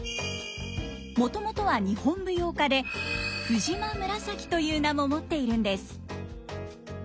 もともとは日本舞踊家で藤間紫という名も持っているんです。